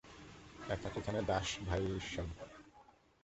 এখানে দাস ভাই-ই সব।